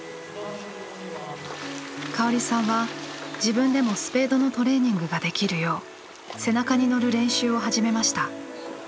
香織さんは自分でもスペードのトレーニングができるよう背中に乗る練習を始めました。